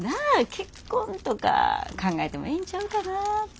結婚とか考えてもええんちゃうかなぁて。